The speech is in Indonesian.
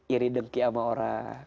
iri dengki sama orang